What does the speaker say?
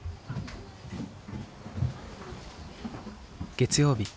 月曜日。